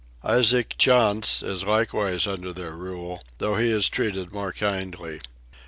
Isaac Chantz is likewise under their rule, though he is treated more kindly.